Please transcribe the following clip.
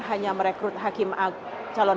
hanya merekrut calon